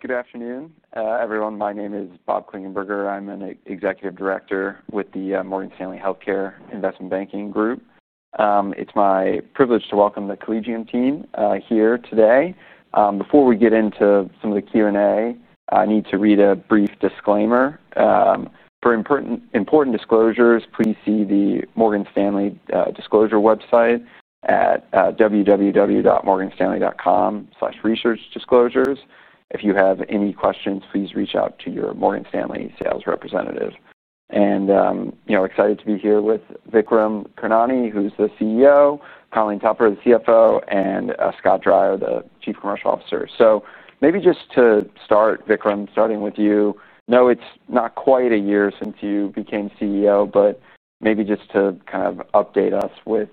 Good afternoon, everyone. My name is Bob Klingenberger. I'm an Executive Director with the Morgan Stanley Healthcare Investment Banking Group. It's my privilege to welcome the Collegium team here today. Before we get into some of the Q&A, I need to read a brief disclaimer. For important disclosures, please see the Morgan Stanley disclosure website at www.morganstanley.com/researchdisclosures. If you have any questions, please reach out to your Morgan Stanley sales representative. I'm excited to be here with Vikram Karnani, who's the CEO, Colleen Tupper, the CFO, and Scott Dreyer, the Chief Commercial Officer. Maybe just to start, Vikram, starting with you, I know it's not quite a year since you became CEO, but maybe just to kind of update us with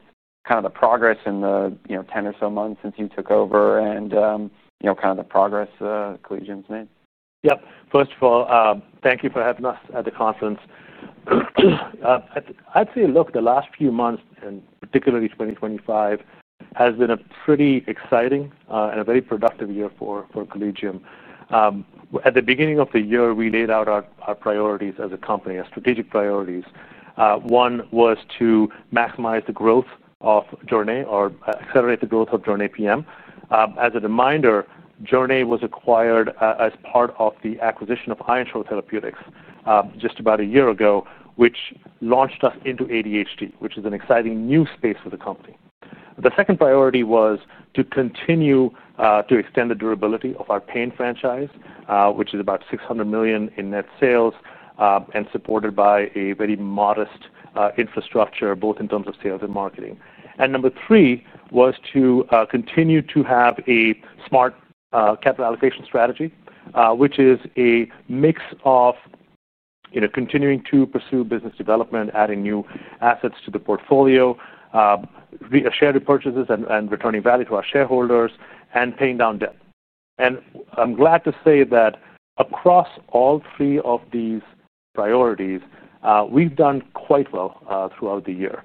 the progress in the 10 or so months since you took over and the progress Collegium's made. Yep. First of all, thank you for having us at the conference. I'd say, look, the last few months, and particularly 2024, has been a pretty exciting and a very productive year for Collegium. At the beginning of the year, we laid out our priorities as a company, our strategic priorities. One was to maximize the growth of Jornay, or accelerate the growth of Jornay PM. As a reminder, Jornay was acquired as part of the acquisition of Ironshore Therapeutics just about a year ago, which launched us into ADHD, which is an exciting new space for the company. The second priority was to continue to extend the durability of our pain franchise, which is about $600 million in net sales, and supported by a very modest infrastructure, both in terms of sales and marketing. Number three was to continue to have a smart capital allocation strategy, which is a mix of continuing to pursue business development, adding new assets to the portfolio, share repurchases and returning value to our shareholders, and paying down debt. I'm glad to say that across all three of these priorities, we've done quite well throughout the year.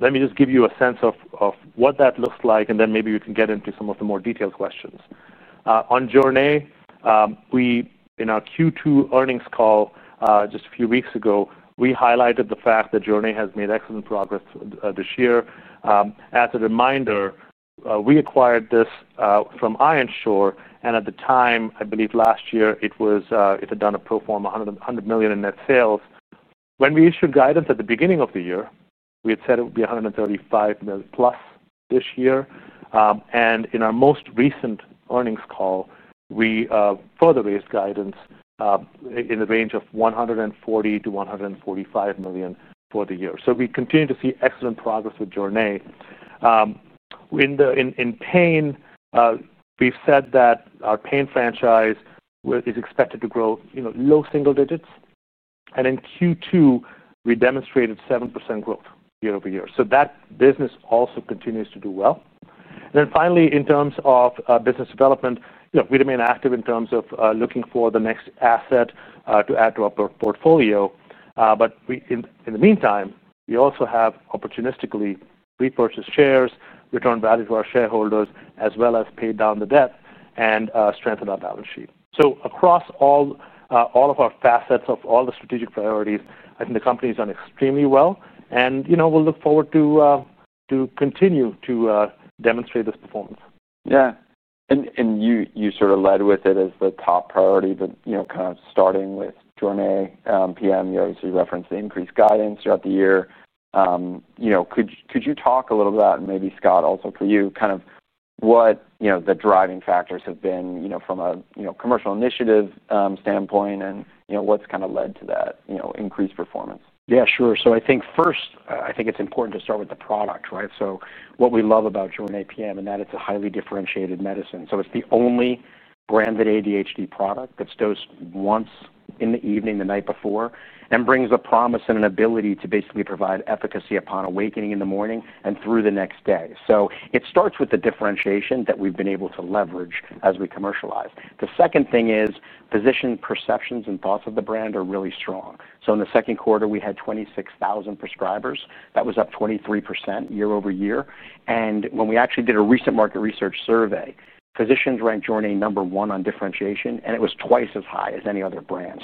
Let me just give you a sense of what that looks like, and then maybe we can get into some of the more detailed questions. On Jornay, in our Q2 earnings call just a few weeks ago, we highlighted the fact that Jornay has made excellent progress this year. As a reminder, we acquired this from Ironshore, and at the time, I believe last year, it had done a pro forma $100 million in net sales. When we issued guidance at the beginning of the year, we had said it would be $135 million plus this year. In our most recent earnings call, we further raised guidance in the range of $140 to $145 million for the year. We continue to see excellent progress with Jornay. In pain, we've said that our pain franchise is expected to grow low single digits. In Q2, we demonstrated 7% growth year over year. That business also continues to do well. In terms of business development, we remain active in terms of looking for the next asset to add to our portfolio. In the meantime, we also have opportunistically repurchased shares, returned value to our shareholders, as well as paid down the debt, and strengthened our balance sheet. Across all of our facets of all the strategic priorities, I think the company has done extremely well, and we'll look forward to continue to demonstrate this performance. Yeah. You sort of led with it as the top priority, but kind of starting with Jornay PM®, you obviously referenced the increased guidance throughout the year. Could you talk a little bit about, and maybe Scott also, for you, kind of what the driving factors have been from a commercial initiative standpoint, and what's kind of led to that increased performance? Yeah, sure. I think first, it's important to start with the product, right? What we love about Jornay PM® is that it's a highly differentiated medicine. It's the only branded ADHD product that's dosed once in the evening the night before and brings a promise and an ability to basically provide efficacy upon awakening in the morning and through the next day. It starts with the differentiation that we've been able to leverage as we commercialize. The second thing is physician perceptions and thoughts of the brand are really strong. In Q2, we had 26,000 prescribers. That was up 23% year over year. When we actually did a recent market research survey, physicians ranked Jornay PM® number one on differentiation, and it was twice as high as any other brand.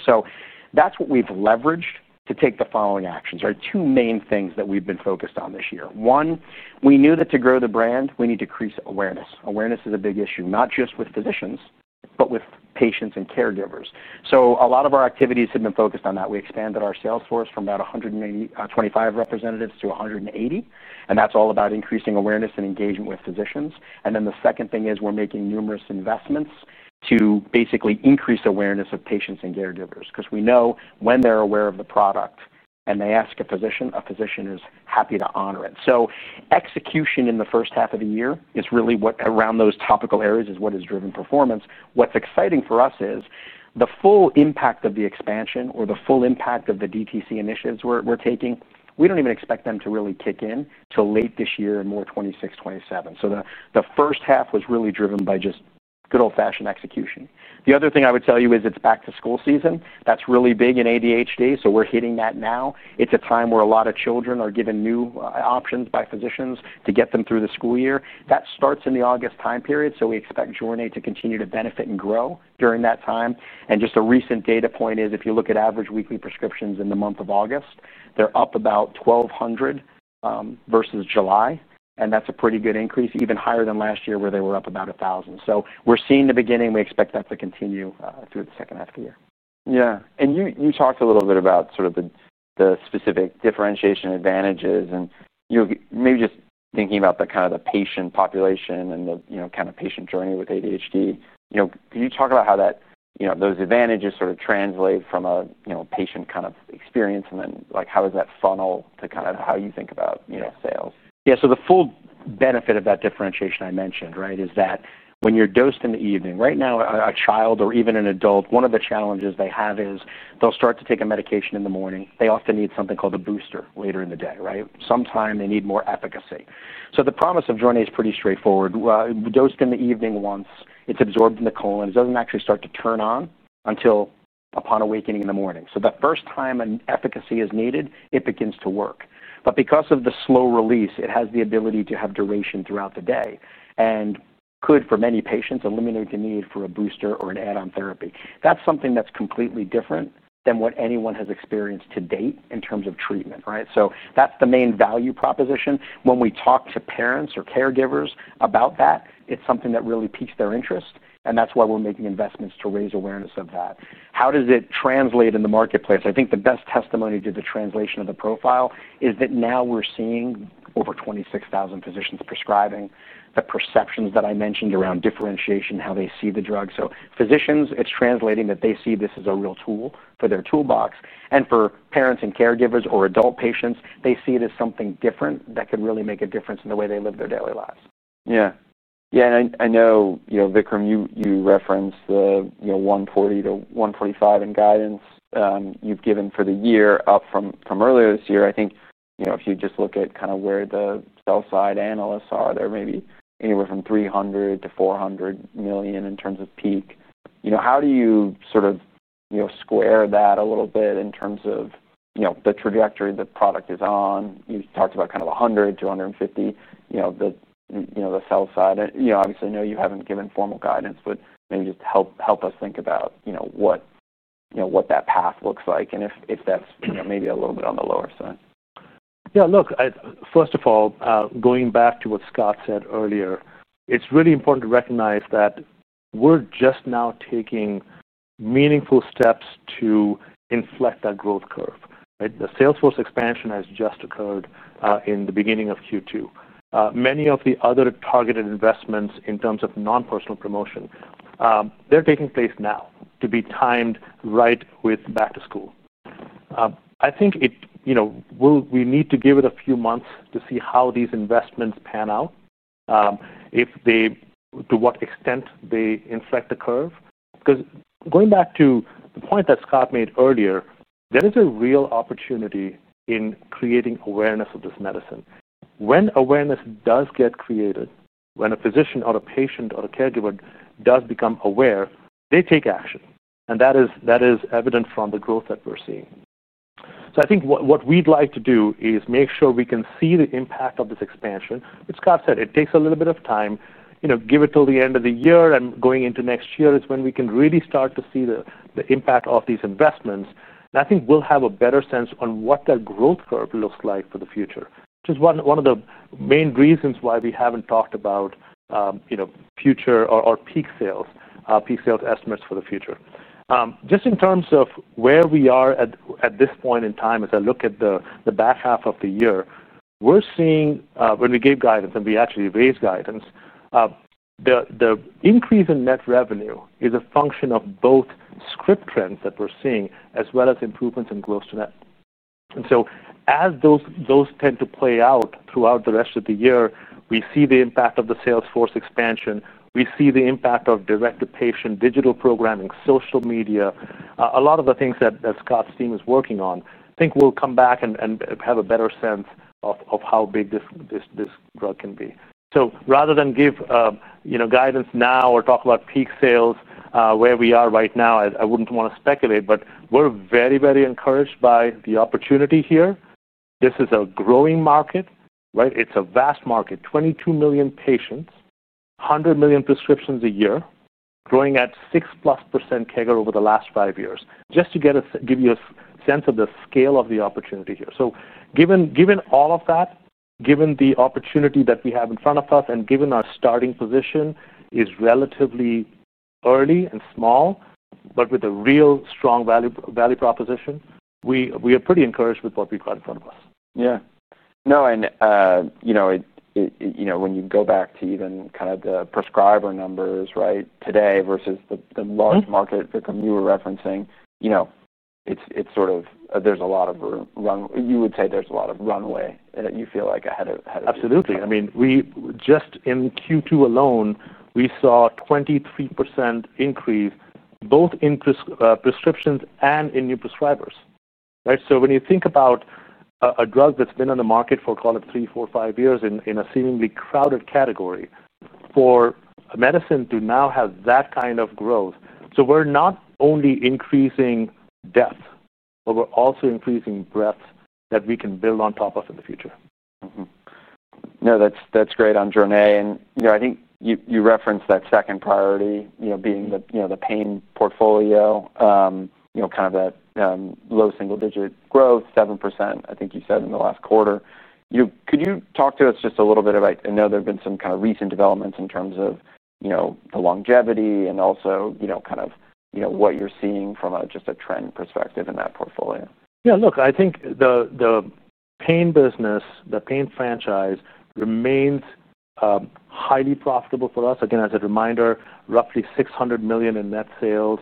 That's what we've leveraged to take the following actions, right? Two main things that we've been focused on this year. One, we knew that to grow the brand, we need to increase awareness. Awareness is a big issue, not just with physicians, but with patients and caregivers. A lot of our activities have been focused on that. We expanded our sales force from about 125 representatives to 180, and that's all about increasing awareness and engagement with physicians. The second thing is we're making numerous investments to basically increase awareness of patients and caregivers because we know when they're aware of the product and they ask a physician, a physician is happy to honor it. Execution in the first half of the year around those topical areas is what has driven performance. What's exciting for us is the full impact of the expansion or the full impact of the DTC initiatives we're taking. We don't even expect them to really kick in till late this year and more 2026, 2027. The first half was really driven by just good old-fashioned execution. The other thing I would tell you is it's back to school season. That's really big in ADHD. We're hitting that now. It's a time where a lot of children are given new options by physicians to get them through the school year. That starts in the August time period. We expect Jornay PM® to continue to benefit and grow during that time. Just a recent data point is if you look at average weekly prescriptions in the month of August, they're up about 1,200 versus July. That's a pretty good increase, even higher than last year where they were up about 1,000. We're seeing the beginning. We expect that to continue through the second half of the year. You talked a little bit about the specific differentiation advantages and maybe just thinking about the kind of the patient population and the kind of patient journey with ADHD. Can you talk about how those advantages translate from a patient experience, and then how does that funnel to how you think about sales? Yeah. The full benefit of that differentiation I mentioned is that when you're dosed in the evening, right now, a child or even an adult, one of the challenges they have is they'll start to take a medication in the morning. They often need something called a booster later in the day. Sometimes they need more efficacy. The promise of Jornay PM® is pretty straightforward. We dose in the evening once, it's absorbed in the colon. It doesn't actually start to turn on until upon awakening in the morning. The first time an efficacy is needed, it begins to work. Because of the slow release, it has the ability to have duration throughout the day and could, for many patients, eliminate the need for a booster or an add-on therapy. That's something that's completely different than what anyone has experienced to date in terms of treatment. That's the main value proposition. When we talk to parents or caregivers about that, it's something that really piques their interest. That's why we're making investments to raise awareness of that. How does it translate in the marketplace? I think the best testimony to the translation of the profile is that now we're seeing over 26,000 physicians prescribing the perceptions that I mentioned around differentiation, how they see the drug. Physicians, it's translating that they see this as a real tool for their toolbox. For parents and caregivers or adult patients, they see it as something different that can really make a difference in the way they live their daily lives. Yeah. Yeah. I know, Vikram, you referenced the $140 to $145 million in guidance you've given for the year, up from earlier this year. I think if you just look at kind of where the sell-side analysts are, they're maybe anywhere from $300 to $400 million in terms of peak. How do you sort of square that a little bit in terms of the trajectory the product is on? You talked about kind of $100, $250, the sell-side. Obviously, I know you haven't given formal guidance, but maybe just help us think about what that path looks like and if that's maybe a little bit on the lower side. Yeah. Look, first of all, going back to what Scott said earlier, it's really important to recognize that we're just now taking meaningful steps to inflect that growth curve. The salesforce expansion has just occurred in the beginning of Q2. Many of the other targeted investments in terms of non-personal promotion, they're taking place now to be timed right with back to school. I think we need to give it a few months to see how these investments pan out, to what extent they inflect the curve. Because going back to the point that Scott made earlier, there is a real opportunity in creating awareness of this medicine. When awareness does get created, when a physician or a patient or a caregiver does become aware, they take action. That is evident from the growth that we're seeing. I think what we'd like to do is make sure we can see the impact of this expansion. It's got to say, it takes a little bit of time. Give it till the end of the year. Going into next year is when we can really start to see the impact of these investments. I think we'll have a better sense on what that growth curve looks like for the future, which is one of the main reasons why we haven't talked about future or peak sales estimates for the future. Just in terms of where we are at this point in time, as I look at the back half of the year, we're seeing when we gave guidance and we actually raised guidance, the increase in net revenue is a function of both script trends that we're seeing as well as improvements in gross to net. As those tend to play out throughout the rest of the year, we see the impact of the salesforce expansion. We see the impact of direct to patient, digital programming, social media, a lot of the things that Scott's team is working on. I think we'll come back and have a better sense of how big this growth can be. Rather than give guidance now or talk about peak sales, where we are right now, I wouldn't want to speculate, but we're very, very encouraged by the opportunity here. This is a growing market, right? It's a vast market. 22 million patients, 100 million prescriptions a year, growing at 6% CAGR over the last five years, just to give you a sense of the scale of the opportunity here. Given all of that, given the opportunity that we have in front of us, and given our starting position is relatively early and small, but with a real strong value proposition, we are pretty encouraged with what we've got in front of us. Yeah. No. When you go back to even kind of the prescriber numbers, right, today versus the large market victim you were referencing, it's sort of there's a lot of runway that you feel like ahead of. Absolutely. I mean, just in Q2 alone, we saw a 23% increase both in prescriptions and in new prescribers, right? When you think about a drug that's been on the market for, call it, three, four, five years in a seemingly crowded category, for a medicine to now have that kind of growth, we're not only increasing depth, but we're also increasing breadth that we can build on top of in the future. No, that's great on Jornay PM®. I think you referenced that second priority being the pain portfolio, kind of that low single-digit growth, 7%, I think you said in the last quarter. Could you talk to us just a little bit about, I know there have been some kind of recent developments in terms of the longevity and also kind of what you're seeing from just a trend perspective in that portfolio? Yeah. Look, I think the pain business, the pain franchise remains highly profitable for us. Again, as a reminder, roughly $600 million in net sales,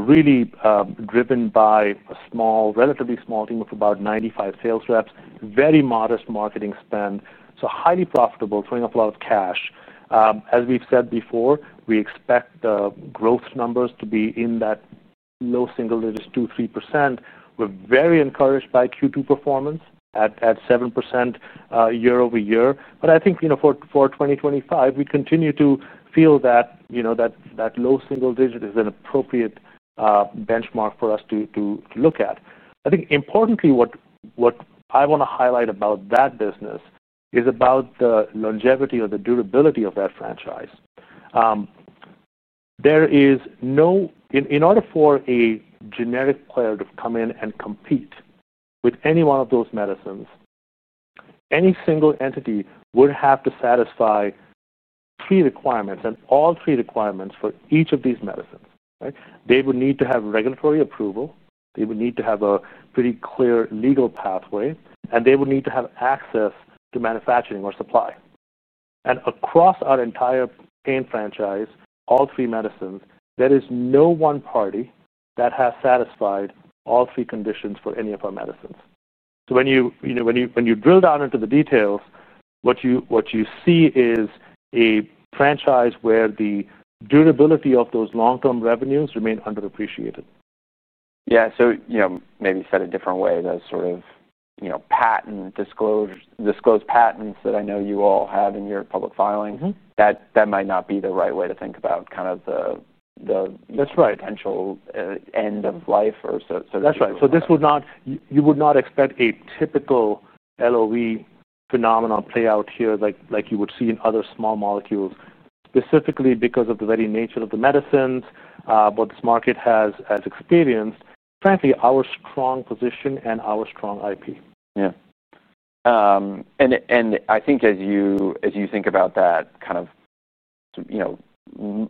really driven by a relatively small team of about 95 sales reps, very modest marketing spend. Highly profitable, throwing up a lot of cash. As we've said before, we expect the growth numbers to be in that low single digit, 2%, 3%. We're very encouraged by Q2 performance at 7% year over year. I think for 2025, we continue to feel that that low single digit is an appropriate benchmark for us to look at. Importantly, what I want to highlight about that business is about the longevity or the durability of that franchise. There is no, in order for a generic player to come in and compete with any one of those medicines, any single entity would have to satisfy three requirements and all three requirements for each of these medicines, right? They would need to have regulatory approval. They would need to have a pretty clear legal pathway. They would need to have access to manufacturing or supply. Across our entire pain franchise, all three medicines, there is no one party that has satisfied all three conditions for any of our medicines. When you drill down into the details, what you see is a franchise where the durability of those long-term revenues remains underappreciated. Maybe said a different way, the sort of disclosed patents that I know you all have in your public filing, that might not be the right way to think about kind of the potential end of life or so. That's right. This would not, you would not expect a typical LOE phenomenon play out here like you would see in other small molecules, specifically because of the very nature of the medicines, what this market has experienced, frankly, our strong position, and our strong IP. I think as you think about that kind of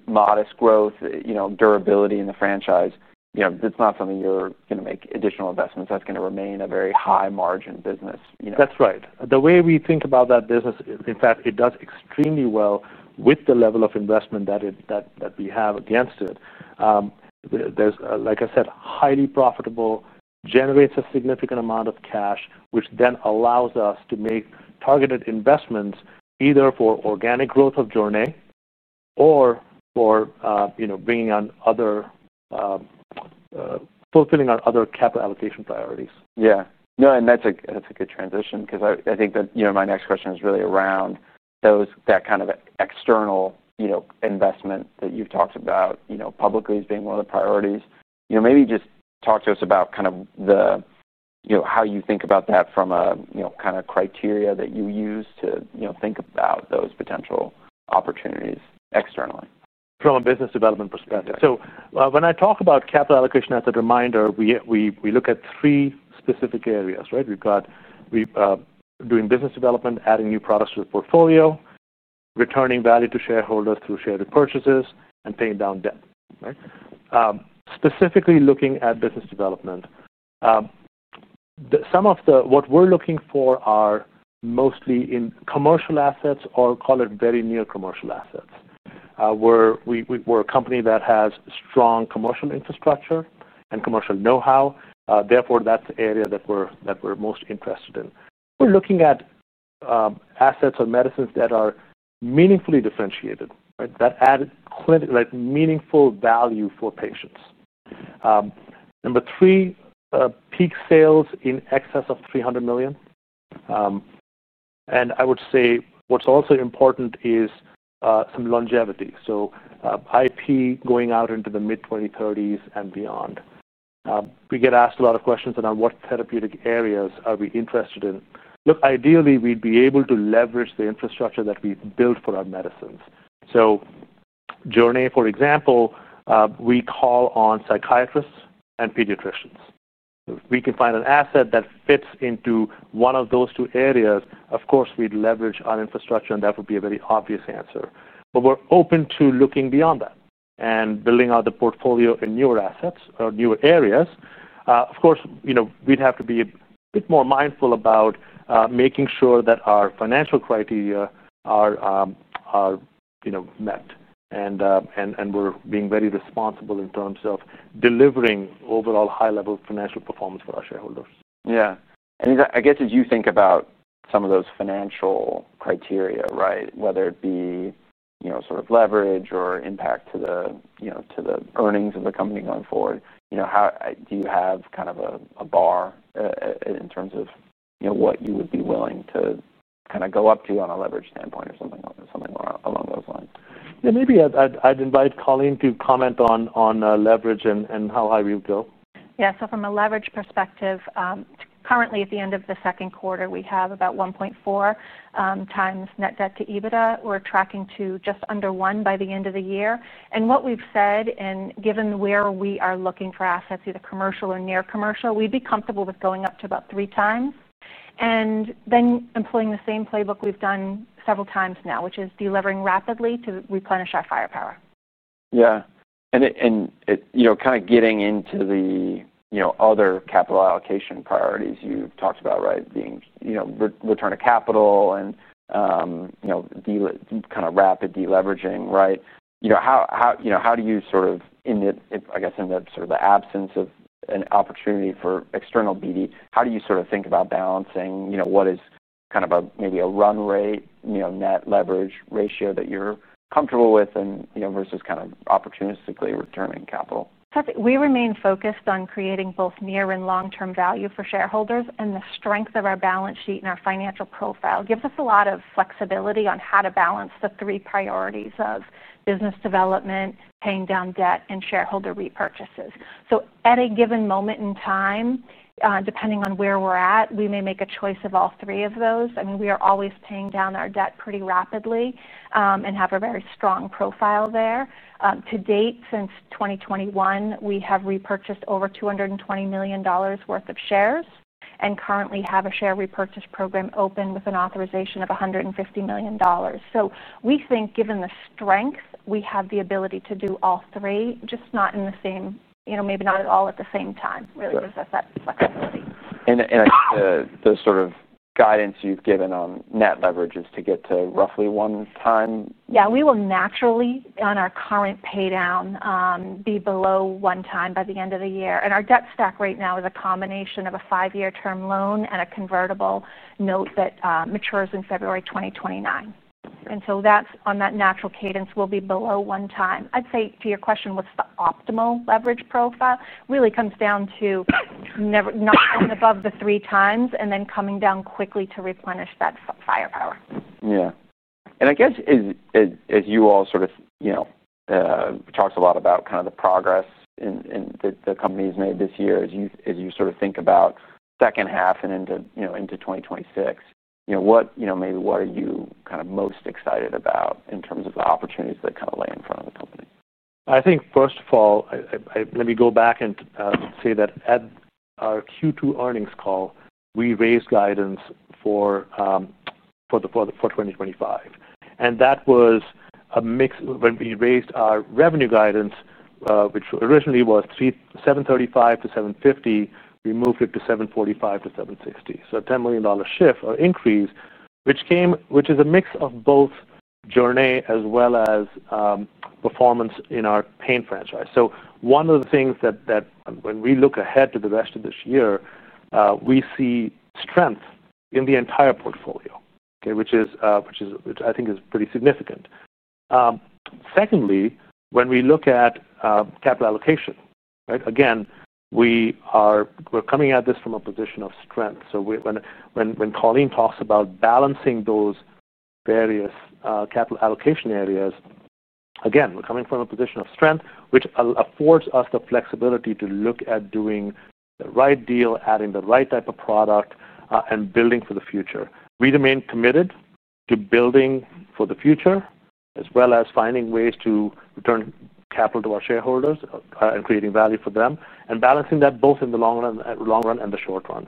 modest growth, you know, durability in the franchise, it's not something you're going to make additional investments. That's going to remain a very high-margin business. That's right. The way we think about that business, in fact, it does extremely well with the level of investment that we have against it. Like I said, it's highly profitable, generates a significant amount of cash, which then allows us to make targeted investments either for organic growth of Jornay PM® or for bringing on other, fulfilling our other capital allocation priorities. Yeah. No, that's a good transition because I think that my next question is really around that kind of external investment that you've talked about publicly as being one of the priorities. Maybe just talk to us about how you think about that from a criteria that you use to think about those potential opportunities externally. From a business development perspective, when I talk about capital allocation, as a reminder, we look at three specific areas, right? We've got doing business development, adding new products to the portfolio, returning value to shareholders through share purchases, and paying down debt, right? Specifically looking at business development, some of what we're looking for are mostly in commercial assets or call it very near commercial assets. We're a company that has strong commercial infrastructure and commercial know-how. Therefore, that's the area that we're most interested in. We're looking at assets or medicines that are meaningfully differentiated, right? That add meaningful value for patients. Number three, peak sales in excess of $300 million. I would say what's also important is some longevity, so IP going out into the mid-2030s and beyond. We get asked a lot of questions around what therapeutic areas are we interested in. Ideally, we'd be able to leverage the infrastructure that we build for our medicines. So Jornay PM®, for example, we call on psychiatrists and pediatricians. If we can find an asset that fits into one of those two areas, of course, we'd leverage our infrastructure, and that would be a very obvious answer. We're open to looking beyond that and building out the portfolio in newer assets or newer areas. Of course, we'd have to be a bit more mindful about making sure that our financial criteria are met, and we're being very responsible in terms of delivering overall high-level financial performance for our shareholders. Yeah. As you think about some of those financial criteria, whether it be sort of leverage or impact to the earnings of the company going forward, do you have kind of a bar in terms of what you would be willing to kind of go up to on a leverage standpoint or something along those lines? Yeah. Maybe I'd invite Colleen to comment on leverage and how high we would go. Yeah. From a leverage perspective, currently at the end of the second quarter, we have about 1.4 times net debt to EBITDA. We're tracking to just under 1 by the end of the year. What we've said, and given where we are looking for assets, either commercial or near commercial, we'd be comfortable with going up to about 3 times. Employing the same playbook we've done several times now, which is deleveraging rapidly to replenish our firepower. Yeah. Kind of getting into the other capital allocation priorities you talked about, right, being return to capital and kind of rapid deleveraging, right? How do you sort of, in the absence of an opportunity for external BD, how do you sort of think about balancing what is kind of maybe a run rate, net leverage ratio that you're comfortable with versus kind of opportunistically returning capital? Perfect. We remain focused on creating both near and long-term value for shareholders, and the strength of our balance sheet and our financial profile gives us a lot of flexibility on how to balance the three priorities of business development, paying down debt, and shareholder repurchases. At a given moment in time, depending on where we're at, we may make a choice of all three of those. We are always paying down our debt pretty rapidly and have a very strong profile there. To date, since 2021, we have repurchased over $220 million worth of shares and currently have a share repurchase program open with an authorization of $150 million. We think, given the strength, we have the ability to do all three, just not in the same, maybe not at all at the same time. It really gives us that flexibility. The sort of guidance you've given on net leverage is to get to roughly one time? We will naturally, on our current paydown, be below one time by the end of the year. Our debt stack right now is a combination of a five-year term loan and a convertible note that matures in February 2029. On that natural cadence, we'll be below one time. I'd say to your question, what's the optimal leverage profile? It really comes down to never not above the three times and then coming down quickly to replenish that firepower. As you all sort of talked a lot about the progress that the company has made this year, as you sort of think about the second half and into 2026, what are you kind of most excited about in terms of the opportunities that lay in front of the company? I think first of all, let me go back and say that at our Q2 earnings call, we raised guidance for 2025. That was a mix when we raised our revenue guidance, which originally was $735 million to $750 million. We moved it to $745 million to $760 million, so a $10 million shift or increase, which is a mix of both Jornay PM® as well as performance in our pain franchise. One of the things that, when we look ahead to the rest of this year, we see strength in the entire portfolio, which I think is pretty significant. Secondly, when we look at capital allocation, right, again, we're coming at this from a position of strength. When Colleen talks about balancing those various capital allocation areas, again, we're coming from a position of strength, which affords us the flexibility to look at doing the right deal, adding the right type of product, and building for the future. We remain committed to building for the future, as well as finding ways to return capital to our shareholders and creating value for them, and balancing that both in the long run and the short run.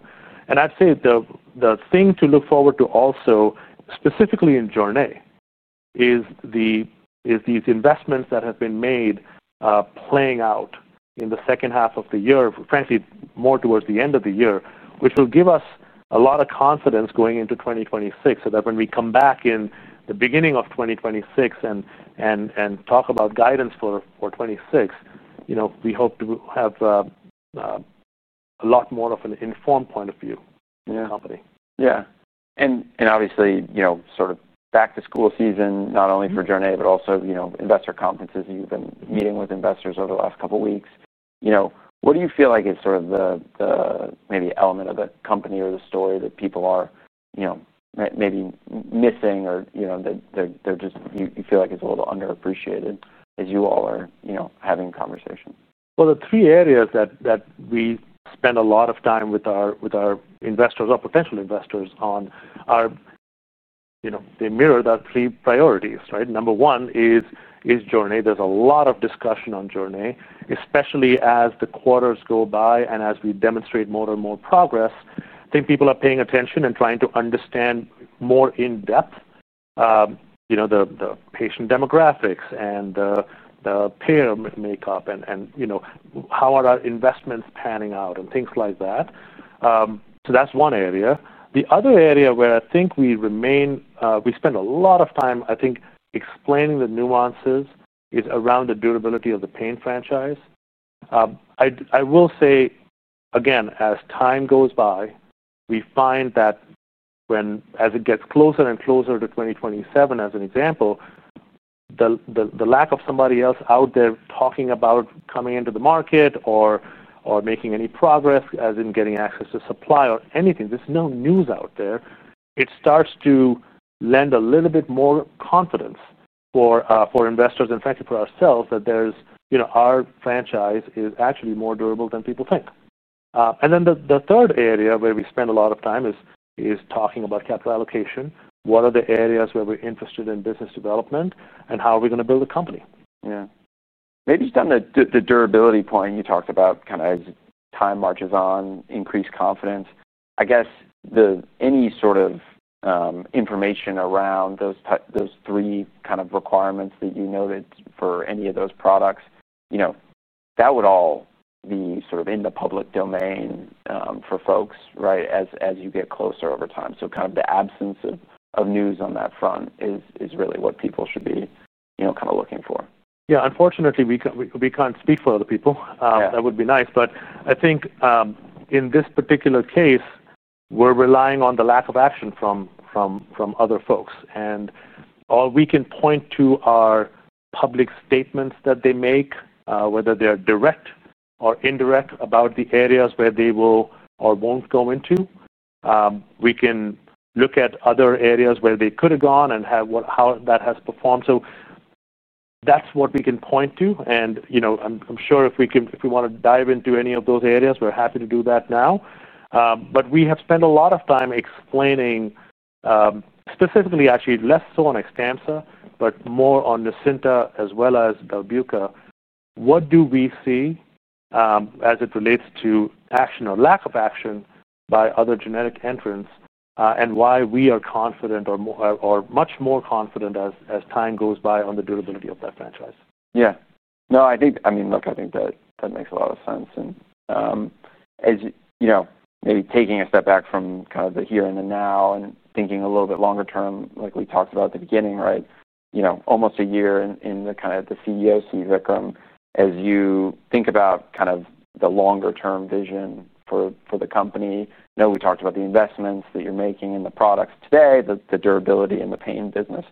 I'd say the thing to look forward to also, specifically in Jornay PM®, is these investments that have been made playing out in the second half of the year, frankly, more towards the end of the year, which will give us a lot of confidence going into 2026. That way, when we come back in the beginning of 2026 and talk about guidance for 2026, we hope to have a lot more of an informed point of view in the company. Yeah. Obviously, you know, sort of back-to-school fusion, not only for Jornay PM®, but also investor conferences, you've been meeting with investors over the last couple of weeks. You know, what do you feel like is sort of the maybe element of the company or the story that people are, you know, maybe missing or you know, they're just, you feel like it's a little underappreciated as you all are, you know, having conversations? The three areas that we spend a lot of time with our investors or potential investors on mirror our three priorities, right? Number one is Jornay PM®. There's a lot of discussion on Jornay PM®, especially as the quarters go by and as we demonstrate more and more progress. I think people are paying attention and trying to understand more in depth the patient demographics and the payer makeup and how our investments are panning out and things like that. That's one area. The other area where I think we spend a lot of time explaining the nuances is around the durability of the pain franchise. I will say, as time goes by, we find that as it gets closer and closer to 2027, for example, the lack of somebody else out there talking about coming into the market or making any progress, as in getting access to supply or anything, there's no news out there, it starts to lend a little bit more confidence for investors and frankly for ourselves that our franchise is actually more durable than people think. The third area where we spend a lot of time is talking about capital allocation. What are the areas where we're interested in business development and how are we going to build a company? Maybe just on the durability point, you talked about kind of as time marches on, increased confidence. I guess any sort of information around those three kind of requirements that you noted for any of those products, you know, that would all be sort of in the public domain for folks, right, as you get closer over time. The absence of news on that front is really what people should be, you know, kind of looking for. Yeah. Unfortunately, we can't speak for other people. That would be nice. I think in this particular case, we're relying on the lack of action from other folks. All we can point to are public statements that they make, whether they're direct or indirect, about the areas where they will or won't go into. We can look at other areas where they could have gone and how that has performed. That's what we can point to. If we want to dive into any of those areas, we're happy to do that now. We have spent a lot of time explaining, specifically actually less so on Xtampza® ER, but more on Nucynta® as well as Belbuca®, what do we see as it relates to action or lack of action by other generic entrants and why we are confident or much more confident as time goes by on the durability of that franchise. Yeah. No, I think that makes a lot of sense. As you know, maybe taking a step back from the here and now and thinking a little bit longer term, like we talked about at the beginning, right? You know, almost a year in the CEO seat, Vikram, as you think about the longer-term vision for the company. I know we talked about the investments that you're making in the products today, the durability in the pain business.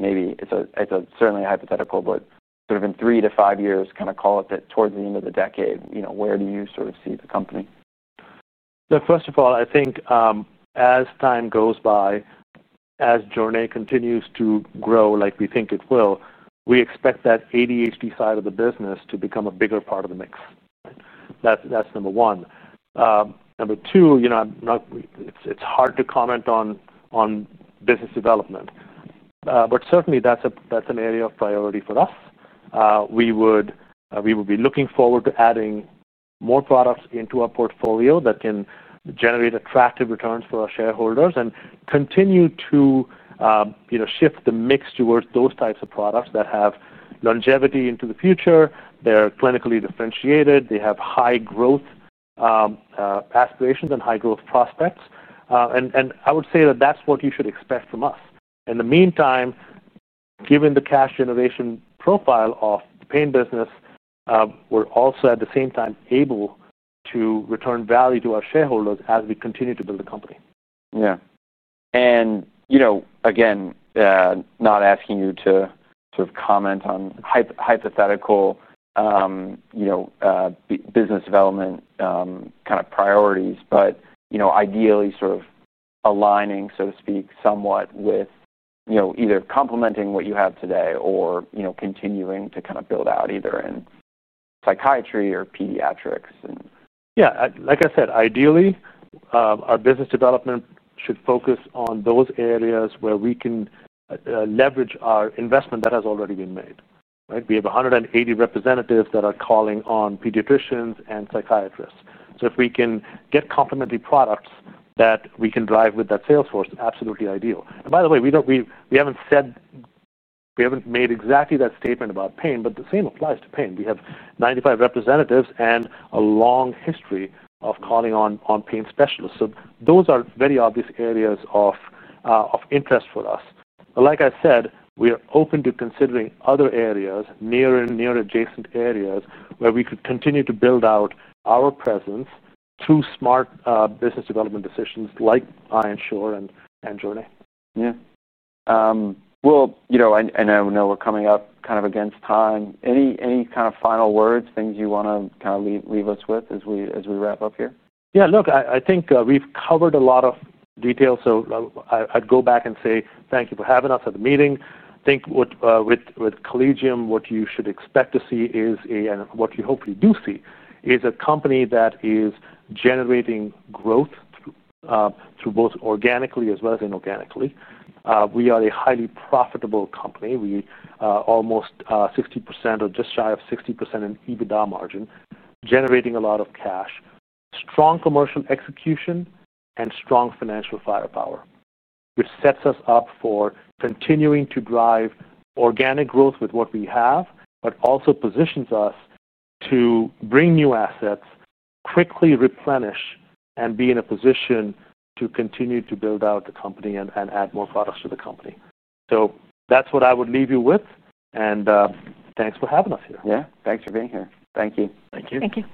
Maybe it's certainly a hypothetical, but sort of in three to five years, call it that towards the end of the decade, where do you sort of see the company? Yeah. First of all, I think as time goes by, as Jornay PM® continues to grow like we think it will, we expect that ADHD side of the business to become a bigger part of the mix. That's number one. Number two, you know, it's hard to comment on business development. Certainly, that's an area of priority for us. We would be looking forward to adding more products into our portfolio that can generate attractive returns for our shareholders and continue to shift the mix towards those types of products that have longevity into the future. They're clinically differentiated. They have high growth aspirations and high growth prospects. I would say that that's what you should expect from us. In the meantime, given the cash generation profile of the pain business, we're also at the same time able to return value to our shareholders as we continue to build the company. Yeah, not asking you to sort of comment on hypothetical business development kind of priorities, but ideally sort of aligning, so to speak, somewhat with either complementing what you have today or continuing to kind of build out either in psychiatry or pediatrics. Yeah. Like I said, ideally, our business development should focus on those areas where we can leverage our investment that has already been made, right? We have 180 representatives that are calling on pediatricians and psychiatrists. If we can get complementary products that we can drive with that salesforce, absolutely ideal. By the way, we haven't said we haven't made exactly that statement about pain, but the same applies to pain. We have 95 representatives and a long history of calling on pain specialists. Those are very obvious areas of interest for us. Like I said, we are open to considering other areas, near and near adjacent areas where we could continue to build out our presence through smart business development decisions like Ironshore and Jornay PM®. Yeah. You know, I know we're coming up kind of against time. Any kind of final words, things you want to kind of leave us with as we wrap up here? Yeah. Look, I think we've covered a lot of details. I'd go back and say thank you for having us at the meeting. I think with Collegium Pharmaceutical, what you should expect to see is, and what you hopefully do see, is a company that is generating growth both organically as well as inorganically. We are a highly profitable company. We are almost 60% or just shy of 60% in EBITDA margin, generating a lot of cash, strong commercial execution, and strong financial firepower, which sets us up for continuing to drive organic growth with what we have, but also positions us to bring new assets, quickly replenish, and be in a position to continue to build out the company and add more products to the company. That's what I would leave you with. Thanks for having us here. Yeah, thanks for being here. Thank you. Thank you. Thank you.